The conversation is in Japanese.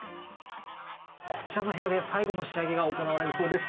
こちらの部屋で最後の仕上げが行われるそうです。